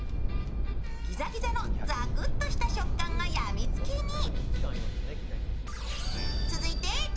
ギザギザのざくっとした食感がやみつきに。